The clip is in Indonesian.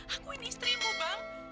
aku ini istrimu bang